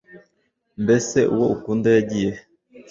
Mbese uwo ukunda yagiye he,